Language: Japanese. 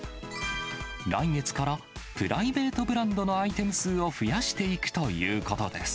来月から、プライベートブランドのアイテム数を増やしていくということです。